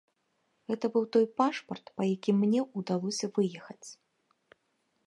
Гэта быў той пашпарт, па якім мне ўдалося выехаць.